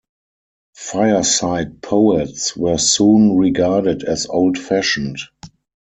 Fireside Poets were soon regarded as old-fashioned.